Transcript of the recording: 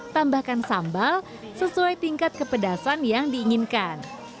tambahkan sambal sesuai tingkat kepedasan yang diinginkan